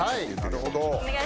なるほど。